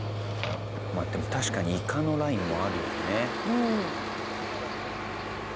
まあでも確かにイカのラインもあるよね。